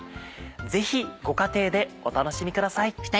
ぜひご家庭でお楽しみください。